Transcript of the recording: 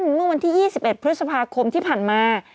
เมื่อวันที่๒๑พฤษภาคมที่ผ่านมา